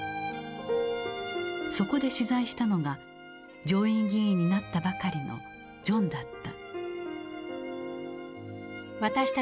そこで取材したのが上院議員になったばかりのジョンだった。